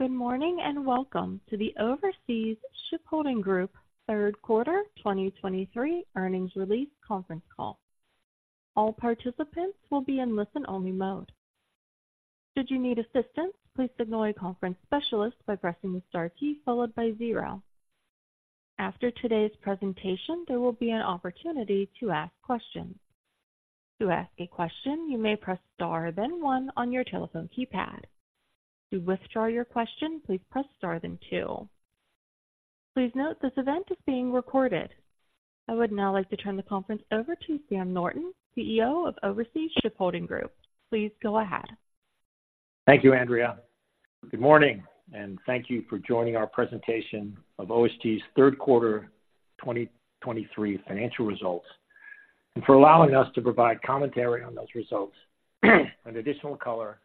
Good morning, and welcome to the Overseas Shipholding Group Q3 2023 earnings release conference call. All participants will be in listen-only mode. Should you need assistance, please signal a conference specialist by pressing the star key followed by zero. After today's presentation, there will be an opportunity to ask questions. To ask a question, you may press star, then one on your telephone keypad. To withdraw your question, please press star, then two. Please note, this event is being recorded. I would now like to turn the conference over to Sam Norton, CEO of Overseas Shipholding Group. Please go ahead. Thank you, Andrea. Good morning, and thank you for joining our presentation of OSG's Q3 2023 financial results, and for allowing us to provide commentary on those results, and additional color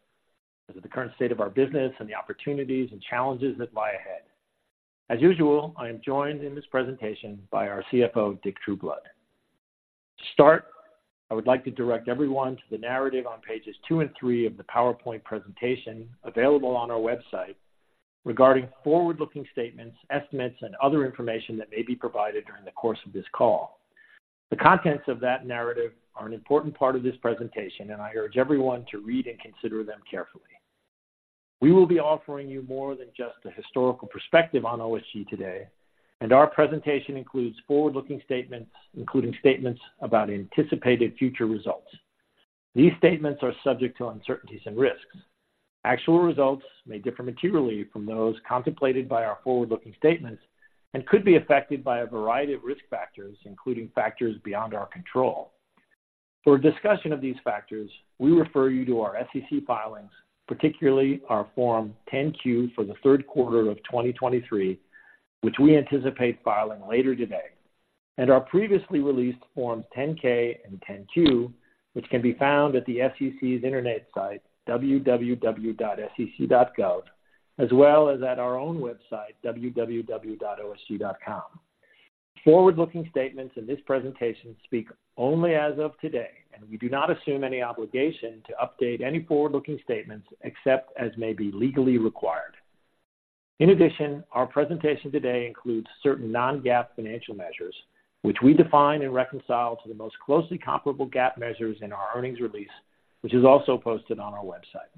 as of the current state of our business and the opportunities and challenges that lie ahead. As usual, I am joined in this presentation by our CFO, Dick Trueblood. To start, I would like to direct everyone to the narrative on pages 2 and 3 of the PowerPoint presentation available on our website regarding forward-looking statements, estimates, and other information that may be provided during the course of this call. The contents of that narrative are an important part of this presentation, and I urge everyone to read and consider them carefully. We will be offering you more than just a historical perspective on OSG today, and our presentation includes forward-looking statements, including statements about anticipated future results. These statements are subject to uncertainties and risks. Actual results may differ materially from those contemplated by our forward-looking statements and could be affected by a variety of risk factors, including factors beyond our control. For a discussion of these factors, we refer you to our SEC filings, particularly our Form 10-Q for the Q3 of 2023, which we anticipate filing later today, and our previously released Forms 10-K and 10-Q, which can be found at the SEC's internet site, www.sec.gov, as well as at our own website, www.osg.com. Forward-looking statements in this presentation speak only as of today, and we do not assume any obligation to update any forward-looking statements, except as may be legally required. In addition, our presentation today includes certain non-GAAP financial measures, which we define and reconcile to the most closely comparable GAAP measures in our earnings release, which is also posted on our website.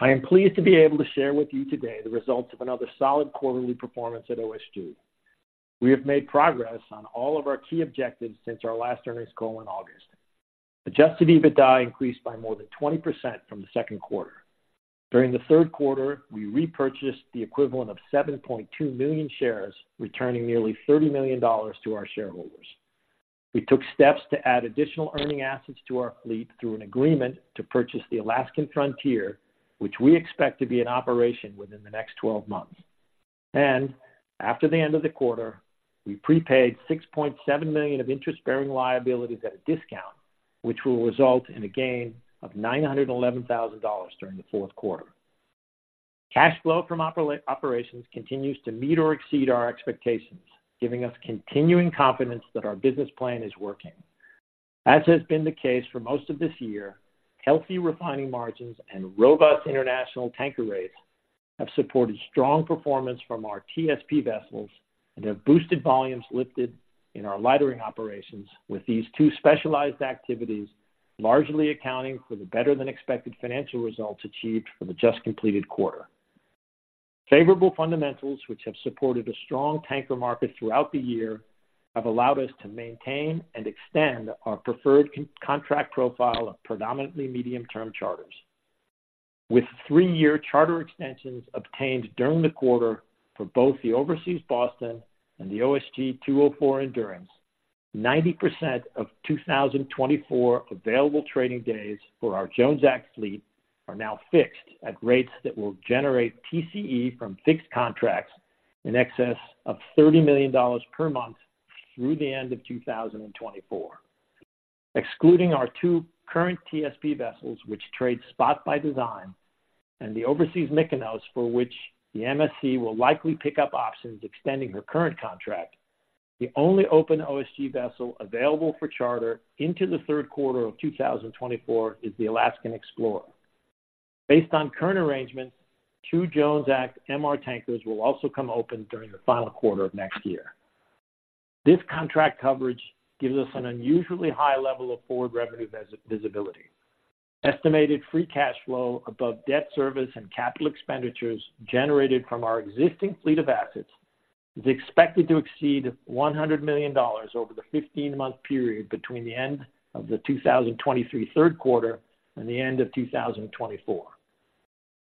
I am pleased to be able to share with you today the results of another solid quarterly performance at OSG. We have made progress on all of our key objectives since our last earnings call in August. Adjusted EBITDA increased by more than 20% from the second quarter. During the Q3, we repurchased the equivalent of 7.2 million shares, returning nearly $30 million to our shareholders. We took steps to add additional earning assets to our fleet through an agreement to purchase the Alaskan Frontier, which we expect to be in operation within the next 12 months. After the end of the quarter, we prepaid $6.7 million of interest-bearing liabilities at a discount, which will result in a gain of $911,000 during the Q4. Cash flow from operations continues to meet or exceed our expectations, giving us continuing confidence that our business plan is working. As has been the case for most of this year, healthy refining margins and robust international tanker rates have supported strong performance from our TSP vessels and have boosted volumes lifted in our lightering operations, with these two specialized activities largely accounting for the better-than-expected financial results achieved for the just-completed quarter. Favorable fundamentals, which have supported a strong tanker market throughout the year, have allowed us to maintain and extend our preferred contract profile of predominantly medium-term charters. With three-year charter extensions obtained during the quarter for both the Overseas Boston and the OSG 204 Endurance, 90% of 2024 available trading days for our Jones Act fleet are now fixed at rates that will generate TCE from fixed contracts in excess of $30 million per month through the end of 2024. Excluding our two current TSP vessels, which trade spot by design, and the Overseas Mykonos, for which the MSC will likely pick up options extending her current contract, the only open OSG vessel available for charter into the Q3 of 2024 is the Alaskan Explorer. Based on current arrangements, two Jones Act MR tankers will also come open during the final quarter of next year. This contract coverage gives us an unusually high level of forward revenue visibility. Estimated free cash flow above debt service and capital expenditures generated from our existing fleet of assets is expected to exceed $100 million over the 15-month period between the end of the 2023 Q3 and the end of 2024.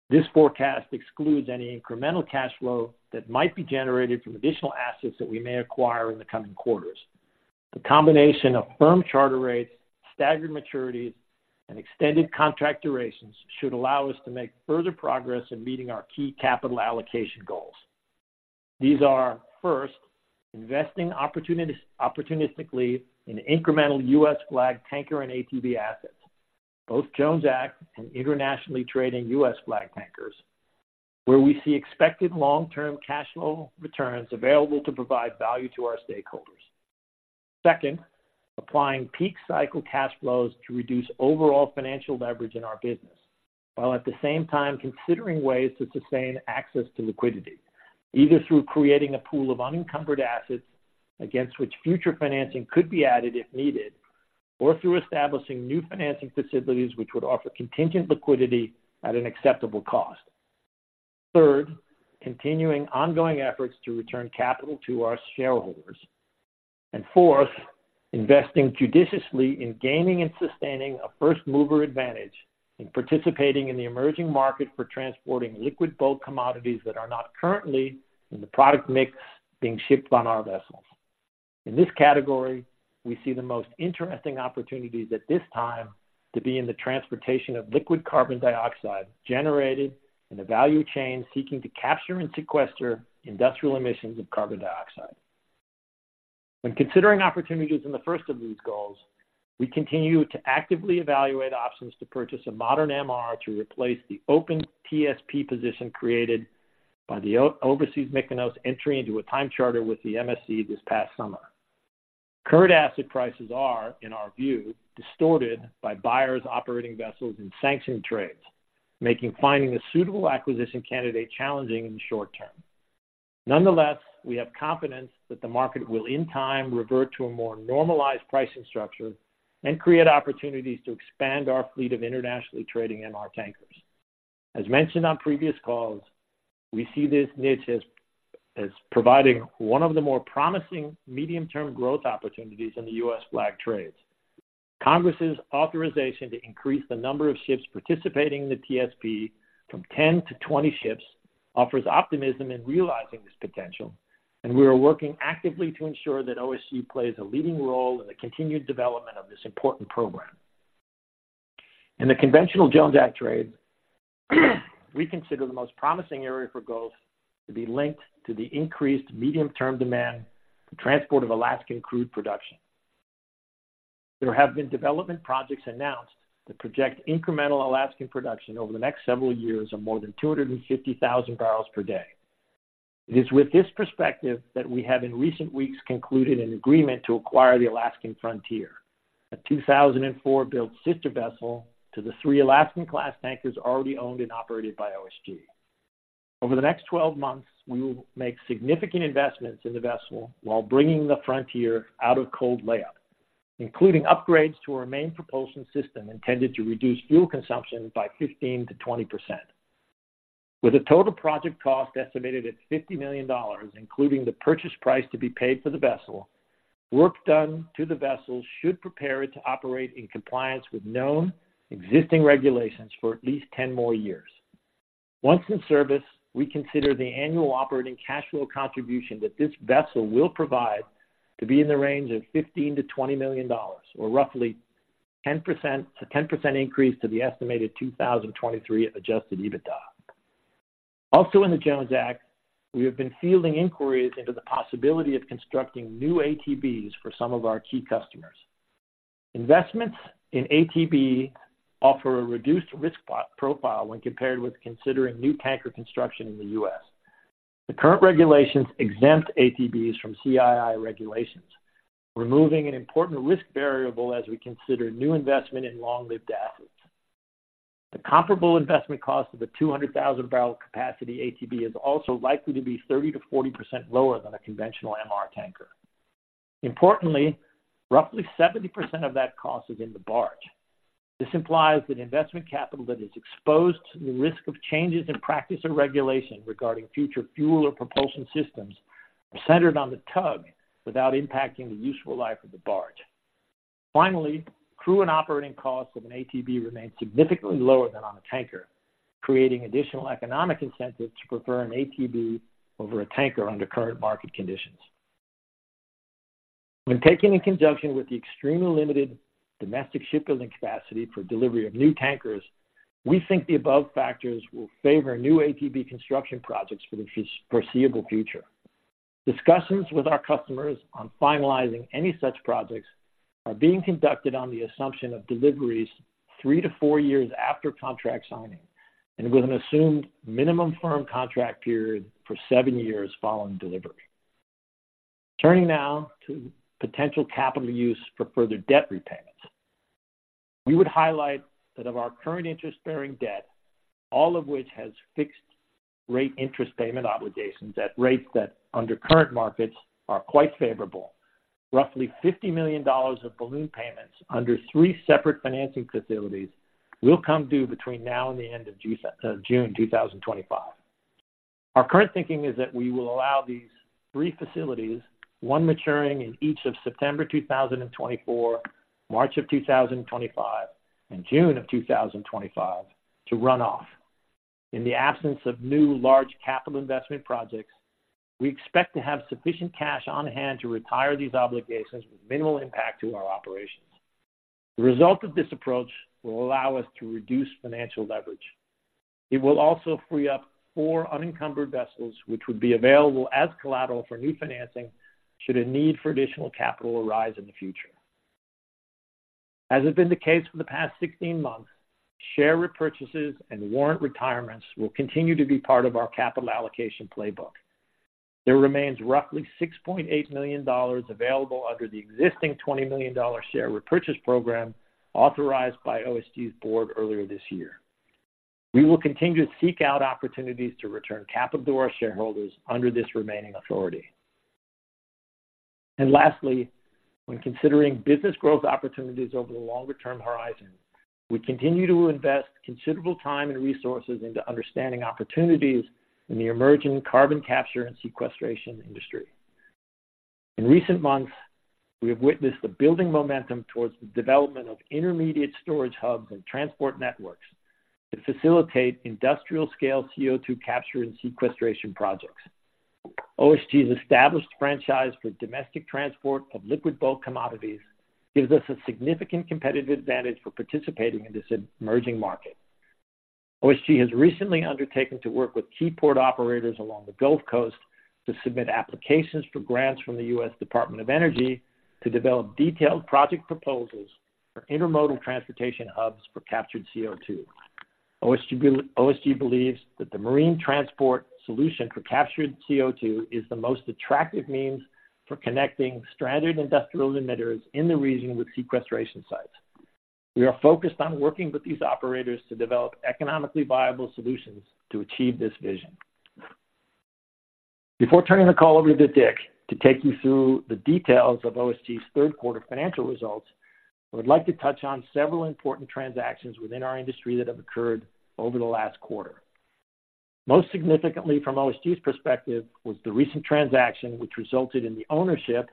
This forecast excludes any incremental cash flow that might be generated from additional assets that we may acquire in the coming quarters. The combination of firm charter rates, staggered maturities, and extended contract durations should allow us to make further progress in meeting our key capital allocation goals. These are, first, investing opportunistically in incremental U.S.-flag tanker and ATB assets, both Jones Act and internationally trading U.S.-flag tankers, where we see expected long-term cash flow returns available to provide value to our stakeholders. Second, applying peak cycle cash flows to reduce overall financial leverage in our business, while at the same time considering ways to sustain access to liquidity, either through creating a pool of unencumbered assets against which future financing could be added if needed, or through establishing new financing facilities which would offer contingent liquidity at an acceptable cost. Third, continuing ongoing efforts to return capital to our shareholders. And fourth, investing judiciously in gaining and sustaining a first-mover advantage in participating in the emerging market for transporting liquid bulk commodities that are not currently in the product mix being shipped on our vessels. In this category, we see the most interesting opportunities at this time to be in the transportation of liquid carbon dioxide, generated in a value chain seeking to capture and sequester industrial emissions of carbon dioxide. When considering opportunities in the first of these goals, we continue to actively evaluate options to purchase a modern MR to replace the open TSP position created by the Overseas Mykonos entry into a time charter with the MSC this past summer. Current asset prices are, in our view, distorted by buyers operating vessels in sanctioned trades, making finding a suitable acquisition candidate challenging in the short term. Nonetheless, we have confidence that the market will, in time, revert to a more normalized pricing structure and create opportunities to expand our fleet of internationally trading MR tankers. As mentioned on previous calls, we see this niche as providing one of the more promising medium-term growth opportunities in the U.S. flag trades. Congress's authorization to increase the number of ships participating in the TSP from 10 to 20 ships offers optimism in realizing this potential, and we are working actively to ensure that OSG plays a leading role in the continued development of this important program. In the conventional Jones Act trade, we consider the most promising area for growth to be linked to the increased medium-term demand for transport of Alaskan crude production. There have been development projects announced that project incremental Alaskan production over the next several years of more than 250,000 barrels per day. It is with this perspective that we have in recent weeks concluded an agreement to acquire the Alaskan Frontier, a 2004-built sister vessel to the three Alaskan-class tankers already owned and operated by OSG. Over the next 12 months, we will make significant investments in the vessel while bringing the Frontier out of cold layup, including upgrades to our main propulsion system, intended to reduce fuel consumption by 15%-20%. With a total project cost estimated at $50 million, including the purchase price to be paid for the vessel, work done to the vessel should prepare it to operate in compliance with known existing regulations for at least 10 more years. Once in service, we consider the annual operating cash flow contribution that this vessel will provide to be in the range of $15 million-$20 million, or roughly 10%-a 10% increase to the estimated 2023 adjusted EBITDA. Also, in the Jones Act, we have been fielding inquiries into the possibility of constructing new ATBs for some of our key customers. Investments in ATB offer a reduced risk profile when compared with considering new tanker construction in the US. The current regulations exempt ATBs from CII regulations, removing an important risk variable as we consider new investment in long-lived assets. The comparable investment cost of a 200,000-barrel capacity ATB is also likely to be 30%-40% lower than a conventional MR tanker. Importantly, roughly 70% of that cost is in the barge. This implies that investment capital that is exposed to the risk of changes in practice or regulation regarding future fuel or propulsion systems, are centered on the tug without impacting the useful life of the barge. Finally, crew and operating costs of an ATB remain significantly lower than on a tanker, creating additional economic incentives to prefer an ATB over a tanker under current market conditions. When taken in conjunction with the extremely limited domestic shipbuilding capacity for delivery of new tankers, we think the above factors will favor new ATB construction projects for the foreseeable future. Discussions with our customers on finalizing any such projects are being conducted on the assumption of deliveries 3-4 years after contract signing, and with an assumed minimum firm contract period for 7 years following delivery. Turning now to potential capital use for further debt repayments. We would highlight that of our current interest-bearing debt, all of which has fixed rate interest payment obligations, at rates that, under current markets, are quite favorable. Roughly $50 million of balloon payments under three separate financing facilities will come due between now and the end of June 2025. Our current thinking is that we will allow these three facilities, one maturing in each of September 2024, March of 2025, and June of 2025, to run off. In the absence of new large capital investment projects, we expect to have sufficient cash on hand to retire these obligations with minimal impact to our operations. The result of this approach will allow us to reduce financial leverage. It will also free up four unencumbered vessels, which would be available as collateral for new financing should a need for additional capital arise in the future.... As has been the case for the past 16 months, share repurchases and warrant retirements will continue to be part of our capital allocation playbook. There remains roughly $6.8 million available under the existing $20 million share repurchase program authorized by OSG's board earlier this year. We will continue to seek out opportunities to return capital to our shareholders under this remaining authority. Lastly, when considering business growth opportunities over the longer-term horizon, we continue to invest considerable time and resources into understanding opportunities in the emerging carbon capture and sequestration industry. In recent months, we have witnessed the building momentum towards the development of intermediate storage hubs and transport networks to facilitate industrial-scale CO2 capture and sequestration projects. OSG's established franchise for domestic transport of liquid bulk commodities gives us a significant competitive advantage for participating in this emerging market. OSG has recently undertaken to work with key port operators along the Gulf Coast to submit applications for grants from the U.S. Department of Energy to develop detailed project proposals for intermodal transportation hubs for captured CO2. OSG believes that the marine transport solution for captured CO2 is the most attractive means for connecting stranded industrial emitters in the region with sequestration sites. We are focused on working with these operators to develop economically viable solutions to achieve this vision. Before turning the call over to Dick to take you through the details of OSG's Q3 financial results, I would like to touch on several important transactions within our industry that have occurred over the last quarter. Most significantly, from OSG's perspective, was the recent transaction, which resulted in the ownership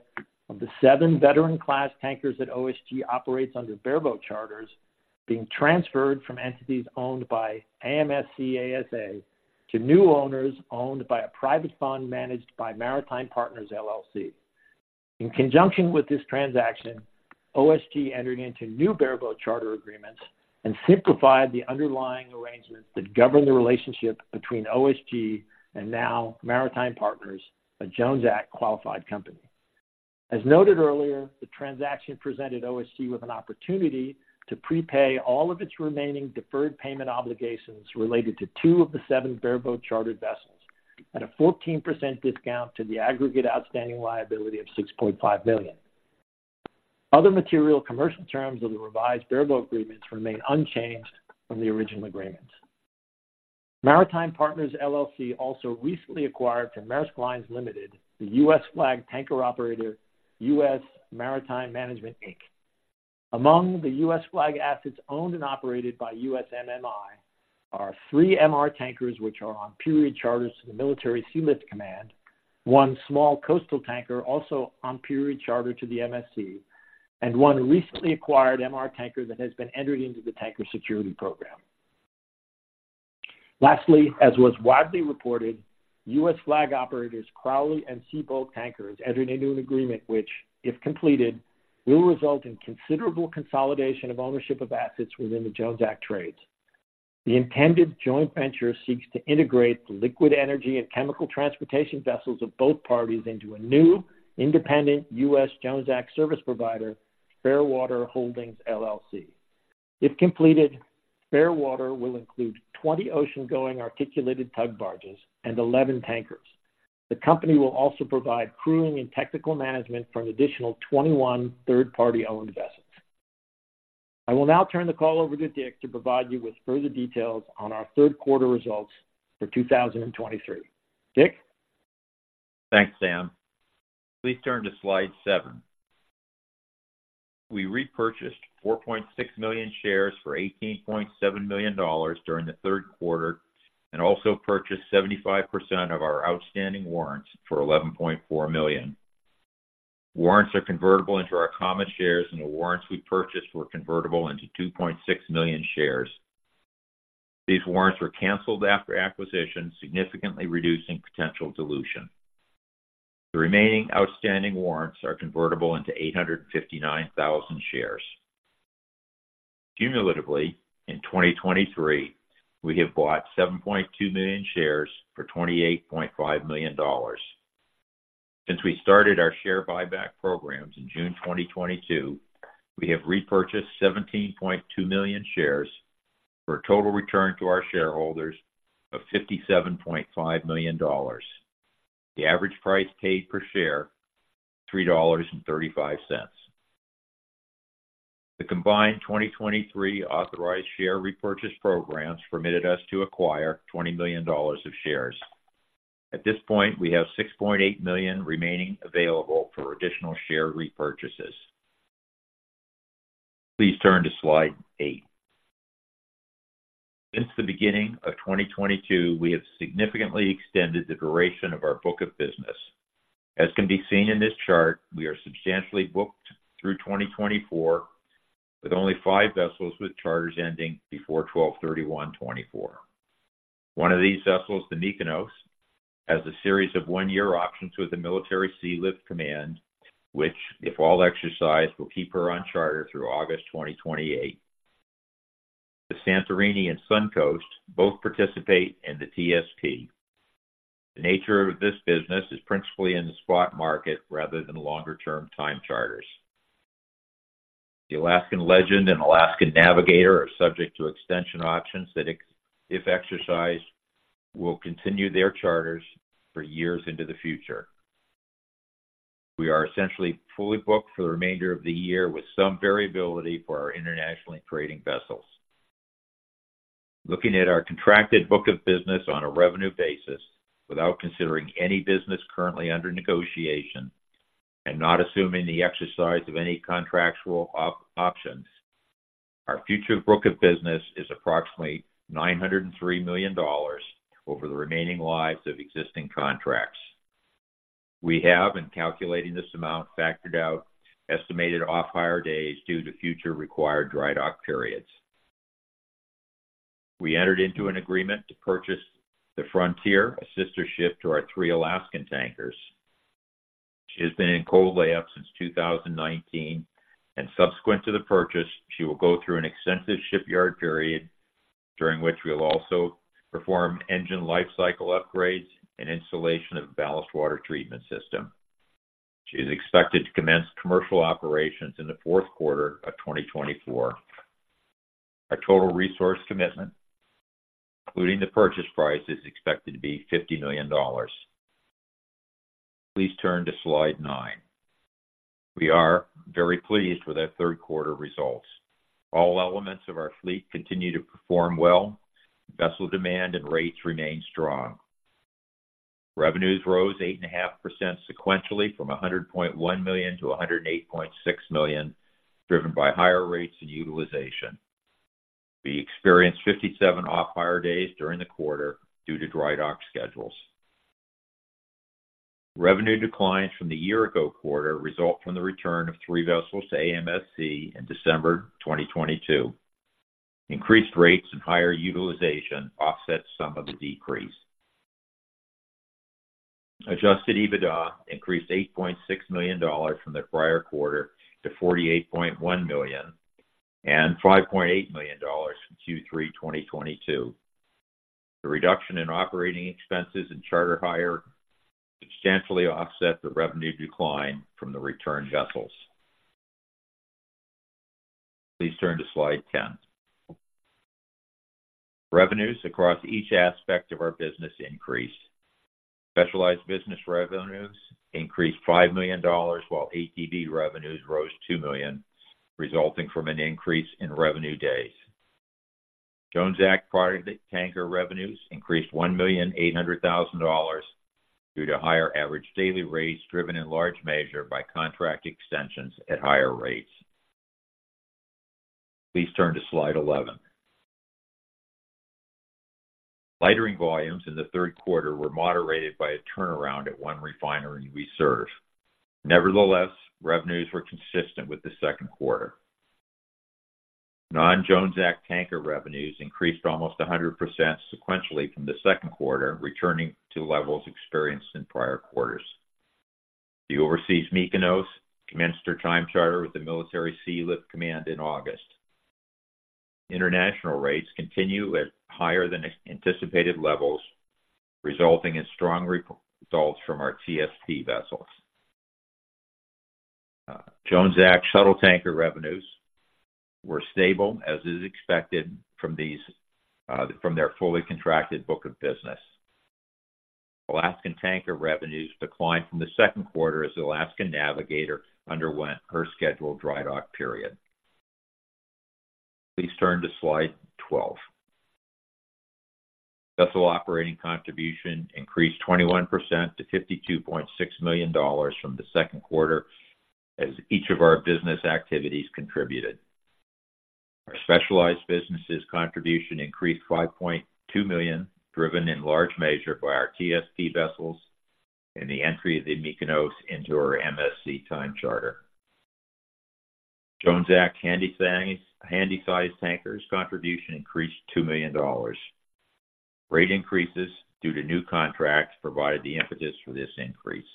of the seven Veteran Class tankers that OSG operates under bareboat charters, being transferred from entities owned by AMSC ASA to new owners owned by a private fund managed by Maritime Partners LLC. In conjunction with this transaction, OSG entered into new bareboat charter agreements and simplified the underlying arrangements that govern the relationship between OSG and now Maritime Partners, a Jones Act qualified company. As noted earlier, the transaction presented OSG with an opportunity to prepay all of its remaining deferred payment obligations related to two of the seven bareboat chartered vessels, at a 14% discount to the aggregate outstanding liability of $6.5 billion. Other material commercial terms of the revised bareboat agreements remain unchanged from the original agreements. Maritime Partners LLC also recently acquired from Maersk Line, Limited, the U.S. Flag tanker operator, US Maritime Management, Inc. Among the U.S. Flag assets owned and operated by USMMI, are three MR tankers, which are on period charters to the Military Sealift Command, one small coastal tanker also on period charter to the MSC, and one recently acquired MR tanker that has been entered into the Tanker Security Program. Lastly, as was widely reported, U.S. Flag operators Crowley and Seabulk Tankers entered into an agreement which, if completed, will result in considerable consolidation of ownership of assets within the Jones Act trades. The intended joint venture seeks to integrate the liquid energy and chemical transportation vessels of both parties into a new, independent U.S. Jones Act service provider, Fairwater Holdings LLC. If completed, Fairwater will include 20 ocean-going articulated tug barges and 11 tankers. The company will also provide crewing and technical management for an additional 21 third-party-owned vessels. I will now turn the call over to Dick to provide you with further details on our Q3 results for 2023. Dick? Thanks, Sam. Please turn to slide 7. We repurchased 4.6 million shares for $18.7 million during the Q3, and also purchased 75% of our outstanding warrants for $11.4 million. Warrants are convertible into our common shares, and the warrants we purchased were convertible into 2.6 million shares. These warrants were canceled after acquisition, significantly reducing potential dilution. The remaining outstanding warrants are convertible into 859,000 shares. Cumulatively, in 2023, we have bought 7.2 million shares for $28.5 million. Since we started our share buyback programs in June 2022, we have repurchased 17.2 million shares for a total return to our shareholders of $57.5 million. The average price paid per share, $3.35. The combined 2023 authorized share repurchase programs permitted us to acquire $20 million of shares. At this point, we have $6.8 million remaining available for additional share repurchases. Please turn to slide 8. Since the beginning of 2022, we have significantly extended the duration of our book of business. As can be seen in this chart, we are substantially booked through 2024, with only 5 vessels with charters ending before December 31, 2024. One of these vessels, the Mykonos, has a series of 1-year options with the Military Sealift Command, which, if all exercised, will keep her on charter through August 2028. The Santorini and Sun Coast both participate in the TSP. The nature of this business is principally in the spot market rather than longer-term time charters. The Alaskan Legend and Alaskan Navigator are subject to extension options that, if exercised, will continue their charters for years into the future. We are essentially fully booked for the remainder of the year, with some variability for our internationally trading vessels. Looking at our contracted book of business on a revenue basis, without considering any business currently under negotiation and not assuming the exercise of any contractual options, our future book of business is approximately $903 million over the remaining lives of existing contracts. We have, in calculating this amount, factored out estimated off-hire days due to future required dry dock periods. We entered into an agreement to purchase the Alaskan Frontier, a sister ship to our three Alaskan tankers. She has been in cold layup since 2019, and subsequent to the purchase, she will go through an extensive shipyard period, during which we'll also perform engine lifecycle upgrades and installation of a ballast water treatment system. She is expected to commence commercial operations in the Q4 of 2024. Our total resource commitment, including the purchase price, is expected to be $50 million. Please turn to Slide 9. We are very pleased with our Q3 results. All elements of our fleet continue to perform well. Vessel demand and rates remain strong. Revenues rose 8.5% sequentially, from $100.1 million to $108.6 million, driven by higher rates and utilization. We experienced 57 off-hire days during the quarter due to dry dock schedules. Revenue declines from the year-ago quarter result from the return of three vessels to AMSC in December 2022. Increased rates and higher utilization offset some of the decrease. Adjusted EBITDA increased $8.6 million from the prior quarter to $48.1 million and $5.8 million from Q3 2022. The reduction in operating expenses and charter hire substantially offset the revenue decline from the returned vessels. Please turn to Slide 10. Revenues across each aspect of our business increased. Specialized business revenues increased $5 million, while ATB revenues rose $2 million, resulting from an increase in revenue days. Jones Act product tanker revenues increased $1.8 million due to higher average daily rates, driven in large measure by contract extensions at higher rates. Please turn to Slide 11. Lightering volumes in the Q3 were moderated by a turnaround at one refinery we serve. Nevertheless, revenues were consistent with the second quarter. Non-Jones Act tanker revenues increased almost 100% sequentially from the second quarter, returning to levels experienced in prior quarters. The Overseas Mykonos commenced her time charter with the Military Sealift Command in August. International rates continue at higher than anticipated levels, resulting in strong results from our TSP vessels. Jones Act shuttle tanker revenues were stable, as is expected from these, from their fully contracted book of business. Alaskan tanker revenues declined from the second quarter as Alaskan Navigator underwent her scheduled dry dock period. Please turn to Slide 12. Vessel operating contribution increased 21% to $52.6 million from the second quarter, as each of our business activities contributed. Our specialized businesses contribution increased $5.2 million, driven in large measure by our TSP vessels and the entry of the Mykonos into our MSC time charter. Jones Act Handysize, Handysize tankers contribution increased $2 million. Rate increases due to new contracts provided the impetus for this increase.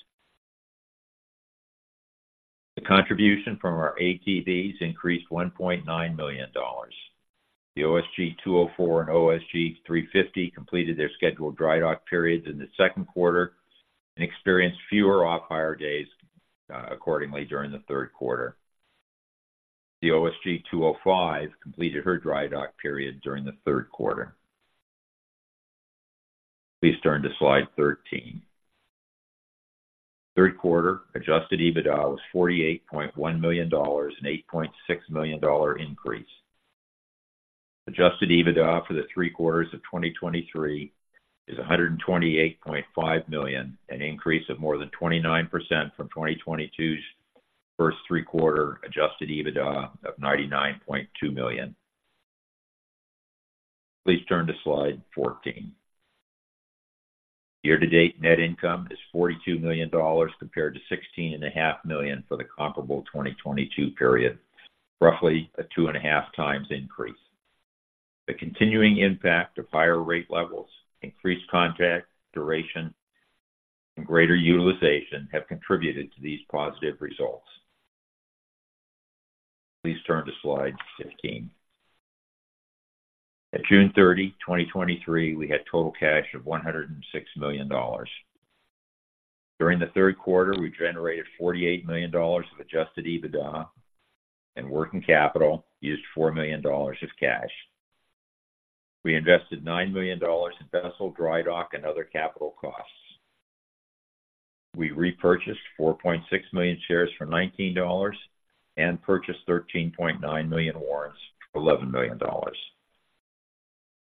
The contribution from our ATBs increased $1.9 million. The OSG 204 and OSG 350 completed their scheduled dry dock periods in the second quarter and experienced fewer off-hire days accordingly during the Q3. The OSG 205 completed her dry dock period during the Q3. Please turn to Slide 13. Q3 adjusted EBITDA was $48.1 million, an $8.6 million increase. Adjusted EBITDA for the three quarters of 2023 is $128.5 million, an increase of more than 29% from 2022's first three-quarter adjusted EBITDA of $99.2 million. Please turn to Slide 14. Year-to-date net income is $42 million, compared to $16.5 million for the comparable 2022 period, roughly a 2.5 times increase. The continuing impact of higher rate levels, increased contract duration, and greater utilization have contributed to these positive results. Please turn to Slide 15. At June 30, 2023, we had total cash of $106 million. During the Q3, we generated $48 million of adjusted EBITDA, and working capital used $4 million of cash. We invested $9 million in vessel, dry dock, and other capital costs. We repurchased 4.6 million shares for $19 and purchased 13.9 million warrants for $11 million.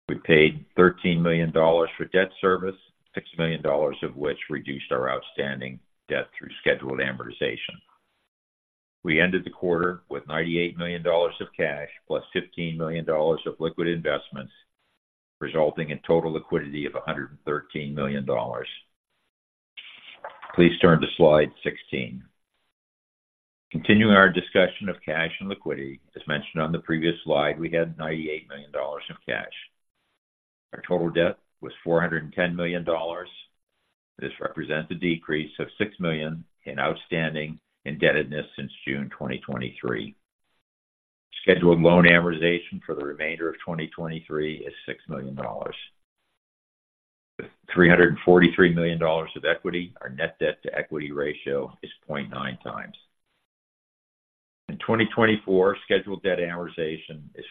We paid $13 million for debt service, $6 million of which reduced our outstanding debt through scheduled amortization. We ended the quarter with $98 million of cash plus $15 million of liquid investments, resulting in total liquidity of $113 million. Please turn to slide 16. Continuing our discussion of cash and liquidity, as mentioned on the previous slide, we had $98 million in cash. Our total debt was $410 million. This represents a decrease of $6 million in outstanding indebtedness since June 2023. Scheduled loan amortization for the remainder of 2023 is $6 million. $343 million of equity, our net debt-to-equity ratio is 0.9x. In 2024, scheduled debt amortization is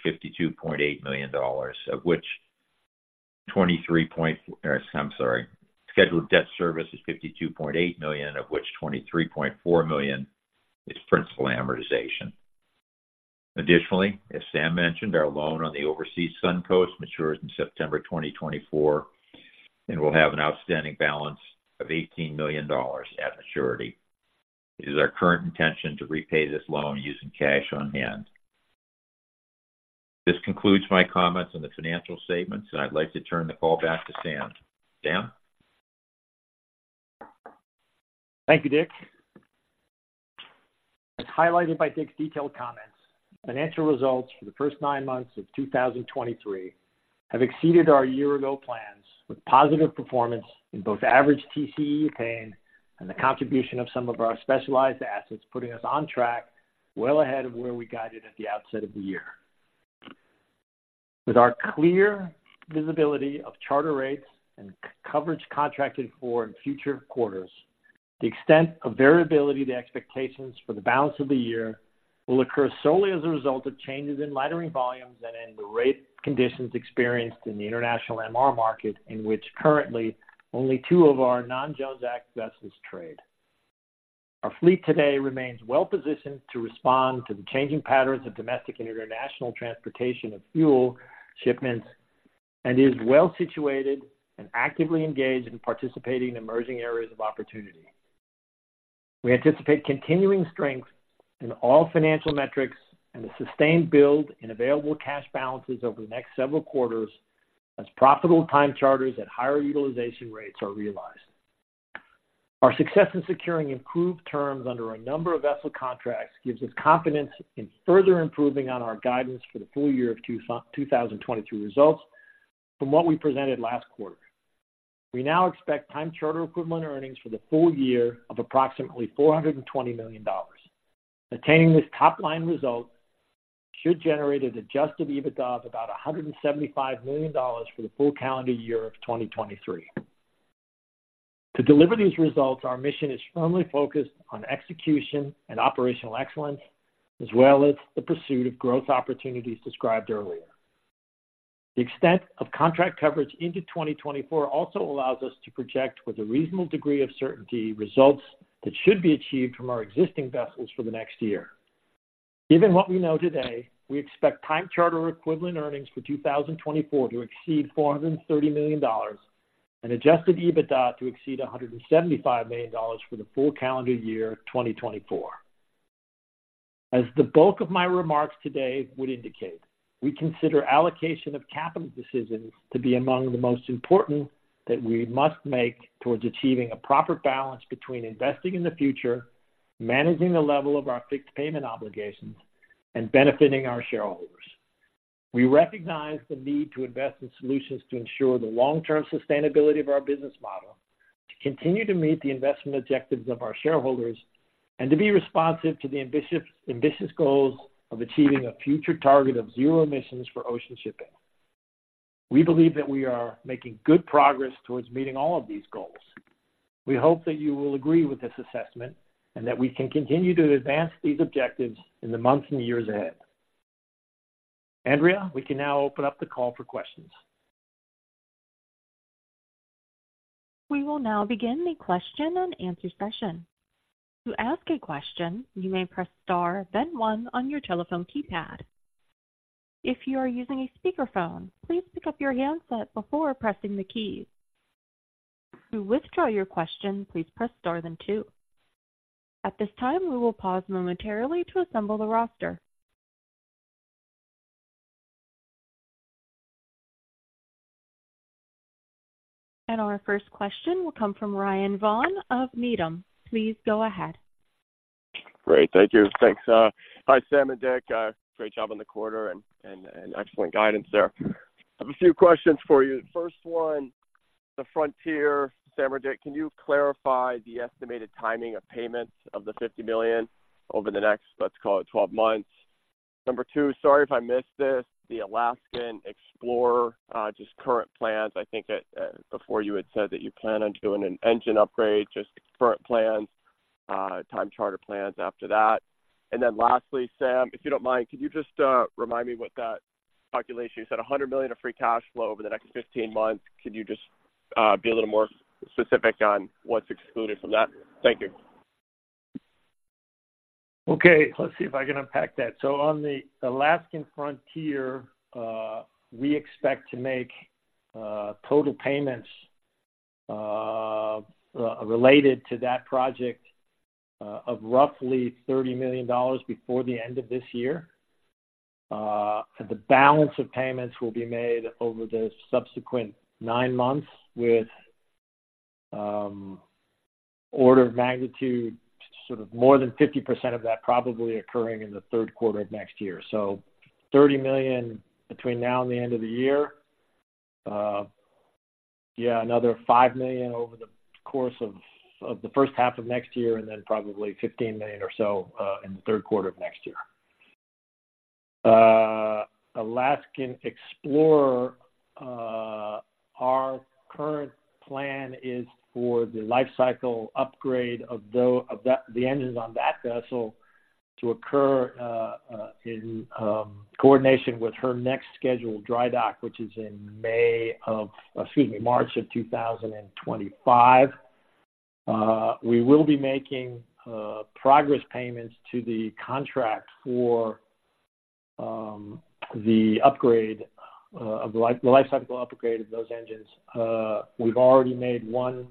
$52.8 million, of which 23 point... I'm sorry. Scheduled debt service is $52.8 million, of which $23.4 million is principal amortization. Additionally, as Sam mentioned, our loan on the Overseas Sun Coast matures in September 2024, and we'll have an outstanding balance of $18 million at maturity. It is our current intention to repay this loan using cash on hand. This concludes my comments on the financial statements, and I'd like to turn the call back to Sam. Sam? Thank you, Dick. As highlighted by Dick's detailed comments, financial results for the first nine months of 2023 have exceeded our year-ago plans, with positive performance in both average TCE attained and the contribution of some of our specialized assets, putting us on track well ahead of where we guided at the outset of the year. With our clear visibility of charter rates and coverage contracted for in future quarters, the extent of variability to expectations for the balance of the year will occur solely as a result of changes in lightering volumes and in the rate conditions experienced in the international MR market, in which currently only two of our non-Jones Act vessels trade. Our fleet today remains well-positioned to respond to the changing patterns of domestic and international transportation of fuel shipments, and is well-situated and actively engaged in participating in emerging areas of opportunity. We anticipate continuing strength in all financial metrics and a sustained build in available cash balances over the next several quarters, as profitable time charters at higher utilization rates are realized. Our success in securing improved terms under a number of vessel contracts gives us confidence in further improving on our guidance for the full year of 2023 results from what we presented last quarter. We now expect time charter equivalent earnings for the full year of approximately $420 million. Obtaining this top-line result should generate an Adjusted EBITDA of about $175 million for the full calendar year of 2023. To deliver these results, our mission is firmly focused on execution and operational excellence, as well as the pursuit of growth opportunities described earlier. The extent of contract coverage into 2024 also allows us to project with a reasonable degree of certainty, results that should be achieved from our existing vessels for the next year. Given what we know today, we expect time charter equivalent earnings for 2024 to exceed $430 million and adjusted EBITDA to exceed $175 million for the full calendar year, 2024. As the bulk of my remarks today would indicate, we consider allocation of capital decisions to be among the most important that we must make towards achieving a proper balance between investing in the future, managing the level of our fixed payment obligations, and benefiting our shareholders. We recognize the need to invest in solutions to ensure the long-term sustainability of our business model, to continue to meet the investment objectives of our shareholders, and to be responsive to the ambitious, ambitious goals of achieving a future target of zero emissions for ocean shipping. We believe that we are making good progress towards meeting all of these goals. We hope that you will agree with this assessment, and that we can continue to advance these objectives in the months and years ahead. Andrea, we can now open up the call for questions. We will now begin the question and answer session. To ask a question, you may press star, then one on your telephone keypad. If you are using a speakerphone, please pick up your handset before pressing the key. To withdraw your question, please press star then two. At this time, we will pause momentarily to assemble the roster. Our first question will come from Ryan Vaughan of Needham. Please go ahead. Great. Thank you. Thanks, hi, Sam and Dick. Great job on the quarter and excellent guidance there. I have a few questions for you. First one, the Frontier. Sam or Dick, can you clarify the estimated timing of payments of the $50 million over the next, let's call it, 12 months? Number two, sorry if I missed this, the Alaskan Explorer, just current plans. I think that, before you had said that you plan on doing an engine upgrade, just current plans, time charter plans after that. And then lastly, Sam, if you don't mind, could you just, remind me what that calculation, you said $100 million of free cash flow over the next 15 months. Could you just, be a little more specific on what's excluded from that? Thank you. Okay, let's see if I can unpack that. So on the Alaskan Frontier, we expect to make total payments related to that project of roughly $30 million before the end of this year. The balance of payments will be made over the subsequent nine months, with order of magnitude, sort of more than 50% of that probably occurring in the Q3 of next year. So $30 million between now and the end of the year. Yeah, another $5 million over the course of the first half of next year, and then probably $15 million or so in the Q3 of next year. Alaskan Explorer, our current plan is for the lifecycle upgrade of that, the engines on that vessel to occur in coordination with her next scheduled dry dock, which is in May of, excuse me, March of 2025. We will be making progress payments to the contract for the upgrade of the lifecycle upgrade of those engines. We've already made one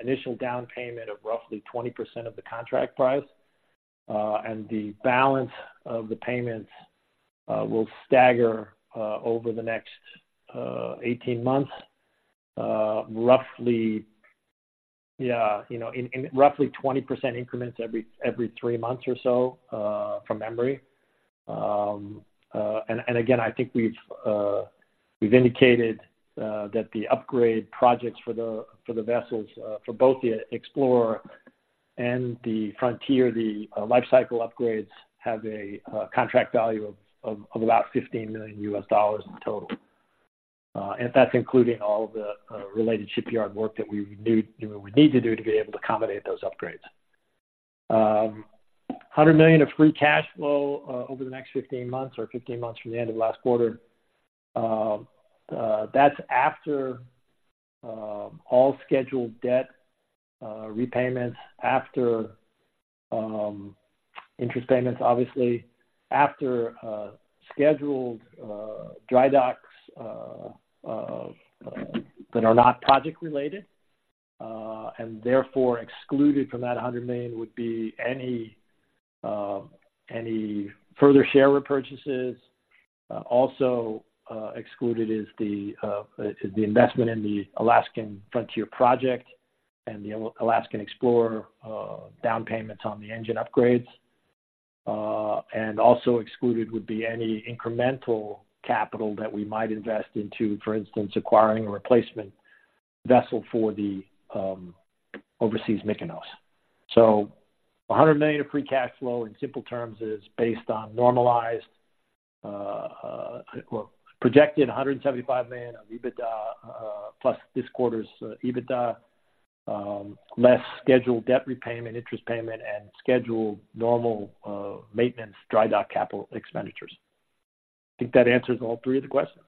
initial down payment of roughly 20% of the contract price, and the balance of the payments will stagger over the next 18 months. Roughly, yeah, you know, in roughly 20% increments every 3 months or so, from memory. And again, I think we've indicated that the upgrade projects for the vessels for both the Explorer and the Frontier, the life cycle upgrades have a contract value of about $15 million in total. And that's including all the related shipyard work that we would need to do to be able to accommodate those upgrades. $100 million of free cash flow over the next 15 months from the end of last quarter. That's after all scheduled debt repayments, after interest payments, obviously, after scheduled dry docks that are not project related. And therefore excluded from that $100 million would be any further share repurchases. Also, excluded is the investment in the Alaskan Frontier project and the Alaskan Explorer, down payments on the engine upgrades. And also excluded would be any incremental capital that we might invest into, for instance, acquiring a replacement vessel for the Overseas Mykonos. So $100 million of free cash flow, in simple terms, is based on normalized, projected $175 million of EBITDA, plus this quarter's EBITDA, less scheduled debt repayment, interest payment, and scheduled normal, maintenance, dry dock capital expenditures. I think that answers all three of the questions.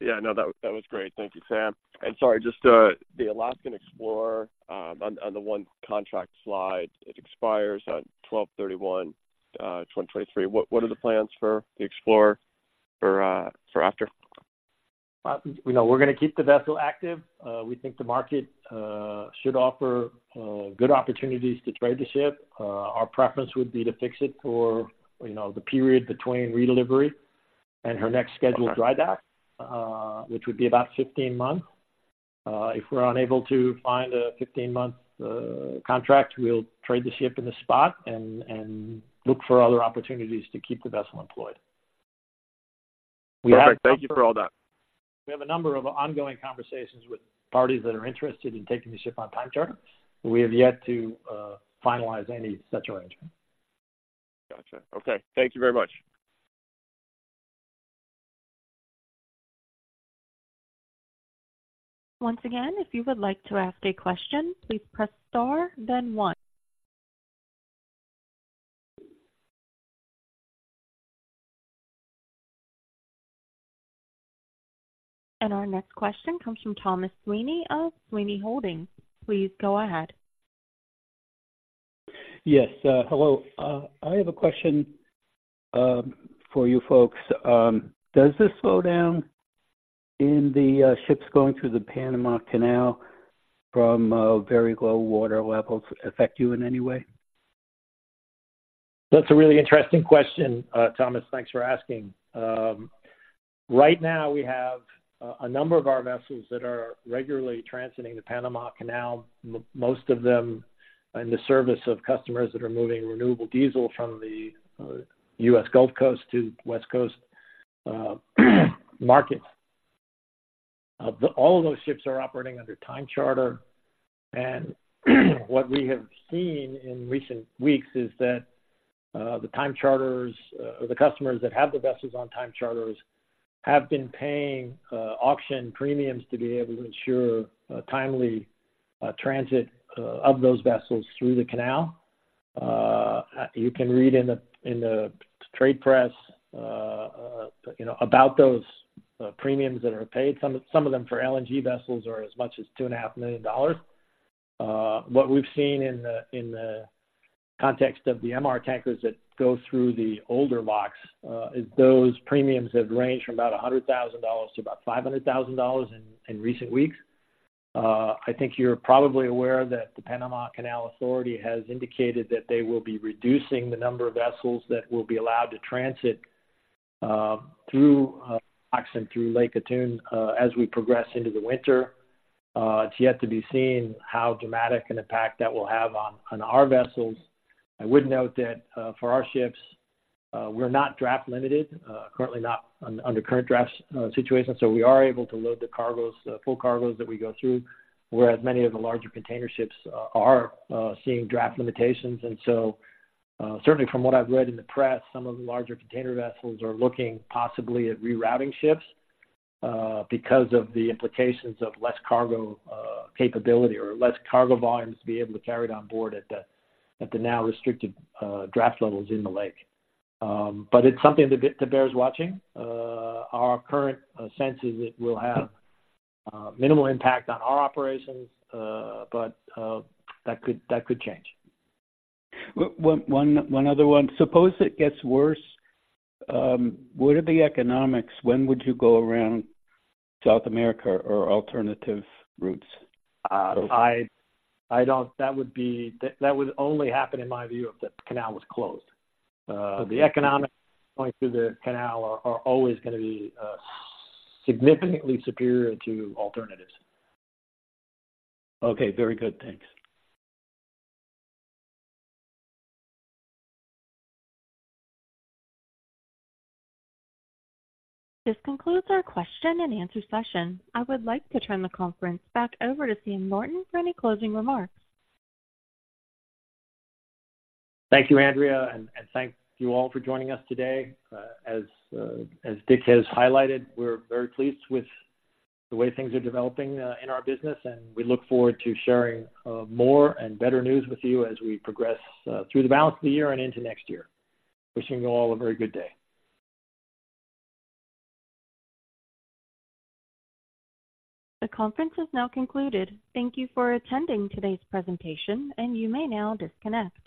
Yeah, no, that was great. Thank you, Sam. Sorry, just the Alaskan Explorer on the one contract slide, it expires on 12/31/2023. What are the plans for the Explorer for after? We know we're going to keep the vessel active. We think the market should offer good opportunities to trade the ship. Our preference would be to fix it for, you know, the period between redelivery and her next scheduled dry dock, which would be about 15 months. If we're unable to find a 15-month contract, we'll trade the ship in the spot and look for other opportunities to keep the vessel employed. We have- Thank you for all that. We have a number of ongoing conversations with parties that are interested in taking the ship on time charter. We have yet to finalize any such arrangement. Gotcha. Okay. Thank you very much. Once again, if you would like to ask a question, please press Star, then one. Our next question comes from Thomas Sweeney of Sweeney Holdings. Please go ahead. Yes, hello. I have a question for you folks. Does this slow down in the ships going through the Panama Canal from very low water levels affect you in any way? That's a really interesting question, Thomas. Thanks for asking. Right now, we have a number of our vessels that are regularly transiting the Panama Canal, most of them in the service of customers that are moving renewable diesel from the U.S. Gulf Coast to West Coast markets. All of those ships are operating under time charter, and what we have seen in recent weeks is that the time charters or the customers that have the vessels on time charter have been paying auction premiums to be able to ensure a timely transit of those vessels through the canal. You can read in the trade press, you know, about those premiums that are paid. Some of them for LNG vessels are as much as $2.5 million. What we've seen in the context of the MR tankers that go through the older locks is those premiums have ranged from about $100,000-$500,000 in recent weeks. I think you're probably aware that the Panama Canal Authority has indicated that they will be reducing the number of vessels that will be allowed to transit through locks and through Lake Gatun as we progress into the winter. It's yet to be seen how dramatic an impact that will have on our vessels. I would note that for our ships, we're not draft limited, currently not under current draft situation, so we are able to load the cargoes, full cargoes that we go through, whereas many of the larger container ships are seeing draft limitations. So, certainly from what I've read in the press, some of the larger container vessels are looking possibly at rerouting ships because of the implications of less cargo capability or less cargo volumes to be able to carry on board at the now restricted draft levels in the lake. But it's something that bears watching. Our current sense is it will have minimal impact on our operations, but that could change. Suppose it gets worse, what are the economics? When would you go around South America or alternative routes? That would only happen, in my view, if the canal was closed. The economics going through the canal are always going to be significantly superior to alternatives. Okay. Very good. Thanks. This concludes our question and answer session. I would like to turn the conference back over to Sam Norton for any closing remarks. Thank you, Andrea, and thank you all for joining us today. As Dick has highlighted, we're very pleased with the way things are developing in our business, and we look forward to sharing more and better news with you as we progress through the balance of the year and into next year. Wishing you all a very good day. The conference is now concluded. Thank you for attending today's presentation, and you may now disconnect.